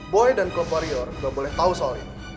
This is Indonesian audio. boy dan klub warrior ga boleh tau soal ini